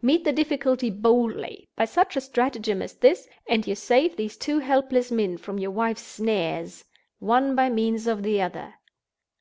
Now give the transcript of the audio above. Meet the difficulty boldly, by such a stratagem as this; and you save these two helpless men from your wife's snare, one by means of the other.